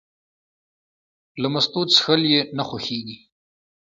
له مستو څښل یې نه خوښېږي.